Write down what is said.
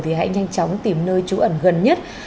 thì hãy nhanh chóng tìm nơi trú ẩn gần nhất